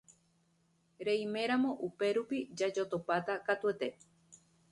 Reiméramo upérupi jajotopáta katuete.